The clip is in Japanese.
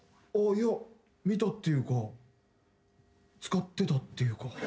いや見たっていうか使ってたっていうか。